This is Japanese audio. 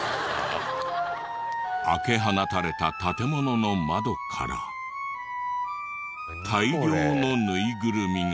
開け放たれた建物の窓から大量のぬいぐるみが。